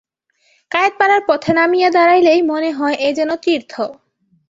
কায়েতপাড়ার পথে নামিয়া দাড়াইলেই মনে হয় এ যেন তীর্থ।